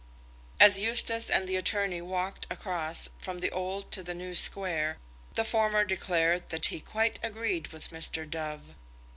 As Eustace and the attorney walked across from the Old to the New Square, the former declared that he quite agreed with Mr. Dove.